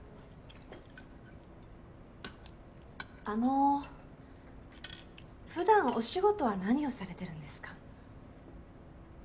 あのう普段お仕事は何をされてるんですか？